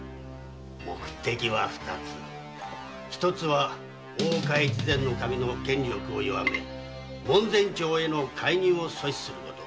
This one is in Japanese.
目的の一つは大岡越前守の権力を弱め門前町への介入を阻止すること。